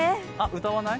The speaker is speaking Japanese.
歌わない？